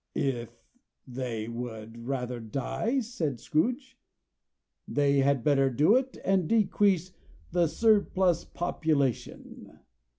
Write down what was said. "If they would rather die," said Scrooge, "they had better do it, and decrease the surplus population.